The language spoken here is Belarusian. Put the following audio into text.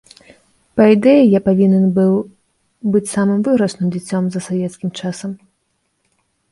Па ідэі я павінен быў быць самым выйгрышным дзіцем за савецкім часам.